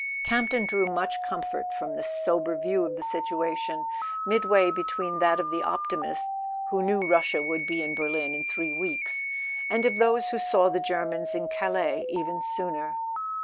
Campton drew much comfort from this sober view of the situation, midway between that of the optimists who knew Russia would be in Berlin in three weeks, and of those who saw the Ger¬ mans in Calais even sooner.